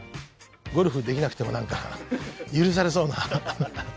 ゴルフできなくても何か許されそうな。